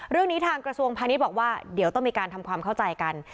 เรื่องนี้ทางกระทรวงพาณิชย์บอกว่าเดี๋ยวต้องมีการทำความเข้าใจกัน